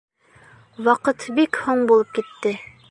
Ваҡыт бик һуң булып китте.